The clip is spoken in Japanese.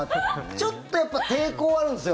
ちょっとやっぱり抵抗あるんですよ。